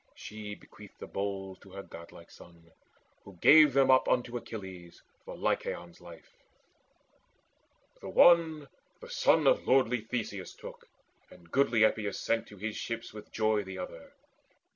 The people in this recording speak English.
She bequeathed The bowls to her godlike son, who gave them up Unto Achilles for Lycaon's life. The one the son of lordly Theseus took, And goodly Epeius sent to his ship with joy The other.